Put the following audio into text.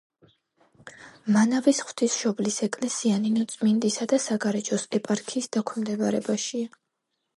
მანავის ღვთისმშობლის ეკლესია ნინოწმინდისა და საგარეჯოს ეპარქიის დაქვემდებარებაშია.